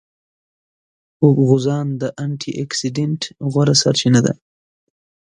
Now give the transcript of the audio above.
غوزان د انټي اکسیډېنټ غوره سرچینه ده.